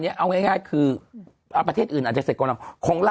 เนี้ยเอาง่ายคืออ่าประเทศอื่นอาจจะเสร็จก่อนเราของเรา